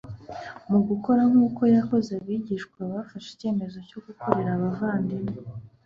Mu gukora nk'uko yakoze, abigishwa bafashe icyemezo cyo gukorera abavandimwe